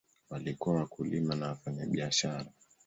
Walikuwa wakulima na wafanyabiashara.